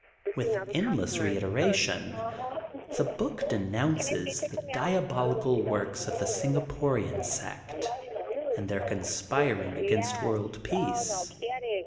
^ With endless reiteration the book de nounces the diabolical works of the Singa porian sect and their conspiring against world peace.